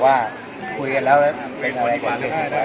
สวัสดีครับพี่เบนสวัสดีครับ